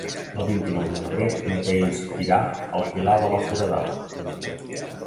El vint-i-nou de febrer na Thaís irà al Pilar de la Foradada.